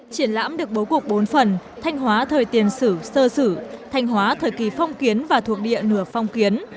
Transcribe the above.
triển lãm được bố cục bốn phần thanh hóa thời tiền sử sơ sử thanh hóa thời kỳ phong kiến và thuộc địa nửa phong kiến